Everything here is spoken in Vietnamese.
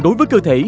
đối với cơ thể